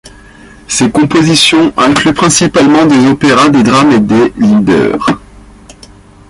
Ses compositions incluent principalement des opéras, des drames et des lieder.